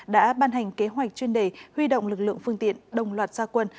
đã ban hành kế hoạch chuyên đề huy động lực lượng phương tiện đồng loạt gia quân